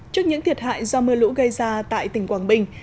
trước những thiệt hại do mưa lũ gây ra tại tỉnh quảng bình